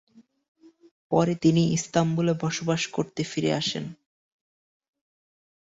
পরে তিনি ইস্তাম্বুলে বসবাস করতে ফিরে আসেন।